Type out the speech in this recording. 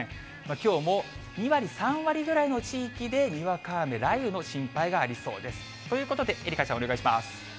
きょうも２割、３割ぐらいの地域で、にわか雨、雷雨の心配がありそうです。ということで、愛花ちゃん、お願いします。